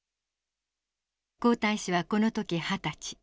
皇太子はこの時二十歳。